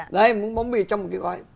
đấy miếng bóng bì trong một cái gói